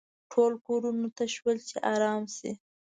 ټول کورونو ته شول چې ارام شي.